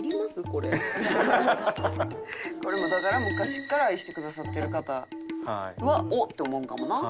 これもだから昔から愛してくださってる方は「おっ！」って思うんかもな。